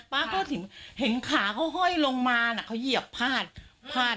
เขาถึงเห็นขาเขาห้อยลงมาเขาเหยียบพาดพาด